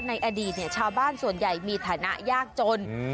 ในอดีตเนี่ยชาวบ้านส่วนใหญ่มีฐานะยากจน